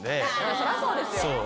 そりゃそうですよ。